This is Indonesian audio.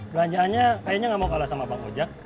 belanjaannya kayaknya nggak mau kalah sama bang ojek